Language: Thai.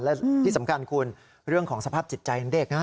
และที่สำคัญคุณเรื่องของสภาพจิตใจของเด็กนะ